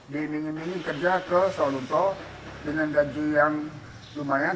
diningin ningin kerja ke sawah lunto dengan gaji yang lumayan